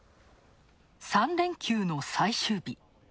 ３連休の最終日。